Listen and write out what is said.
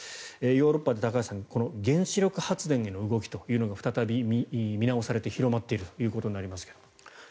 ヨーロッパで高橋さん原子力発電への動きというのが再び見直されて広まっているということになりますが。